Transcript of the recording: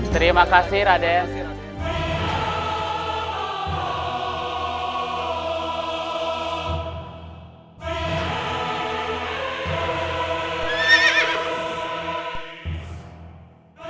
terima kasih raden